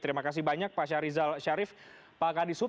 terima kasih banyak pak syarizal syarif pak kadisub